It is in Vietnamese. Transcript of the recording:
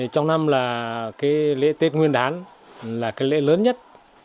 trong năm là cái lễ tết nguyên đán là cái lễ lớn nhất